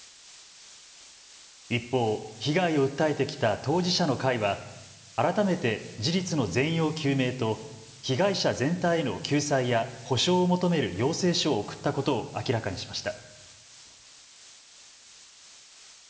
一方、被害を訴えてきた当事者の会は改めて事実の全容究明と被害者全体への救済や補償を求める要請書を送ったことを明らかにしました。